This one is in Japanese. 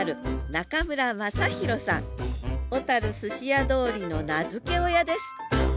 小寿司屋通りの名付け親です